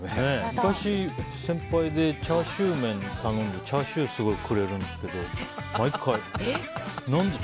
昔、先輩でチャーシュー麺頼んでチャーシューをすごいくれるんですけど毎回。